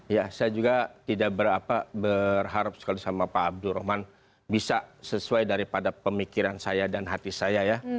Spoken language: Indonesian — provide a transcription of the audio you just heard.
ya saya juga tidak berharap sekali sama pak abdurrahman bisa sesuai daripada pemikiran saya dan hati saya ya